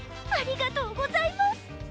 ありがとうございます。